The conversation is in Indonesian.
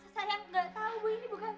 sayang gak tau bu ini bukan